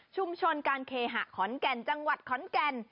ชุมชนการเคหะขอนแก่นจังหวัดขอนแก่น